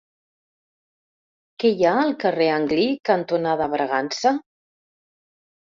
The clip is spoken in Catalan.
Què hi ha al carrer Anglí cantonada Bragança?